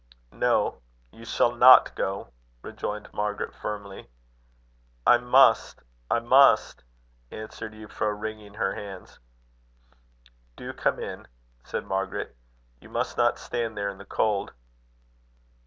"No, you shall not go," rejoined Margaret, firmly. "I must, I must," answered Euphra, wringing her hands. "Do come in," said Margaret, "you must not stand there in the cold."